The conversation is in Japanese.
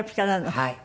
はい。